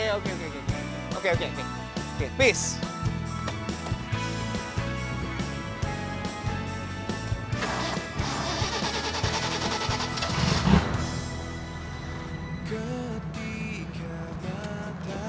sukurin kamu sakit kan mau